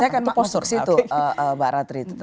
saya akan masuk ke situ mbak ratri